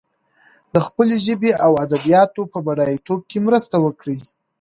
د خپلې ژبې او ادبياتو په بډايتوب کې مرسته وکړي.